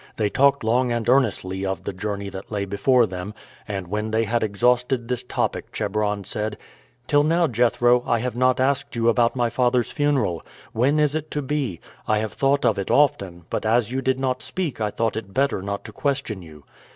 They talked long and earnestly of the journey that lay before them; and when they had exhausted this topic, Chebron said: "Till now, Jethro, I have not asked you about my father's funeral. When is it to be? I have thought of it often, but as you did not speak I thought it better not to question you."